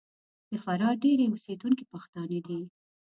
د فراه ډېری اوسېدونکي پښتانه دي.